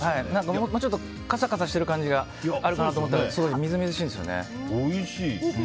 もうちょっとカサカサしている感じがあるかなと思ったらすごくみずみずしいんですよね。